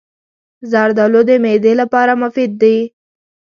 زردالو د معدې لپاره مفید دی.